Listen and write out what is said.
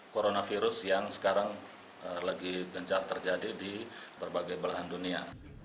coronavirus yang sekarang lagi gencar terjadi di berbagai belahan dunia